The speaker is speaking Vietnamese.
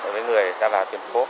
với người ra vào tuyển phố